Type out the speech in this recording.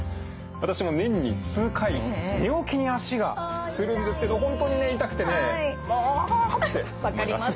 私も年に数回寝起きに足がつるんですけど本当にね痛くてねもう！ってなります。